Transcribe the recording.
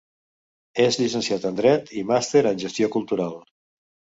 És llicenciat en dret i màster en Gestió Cultural.